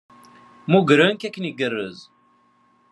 Mmugren-k akken igerrez.